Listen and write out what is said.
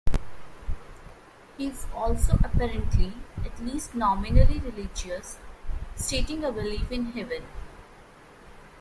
He is also apparently at least nominally religious, stating a belief in heaven.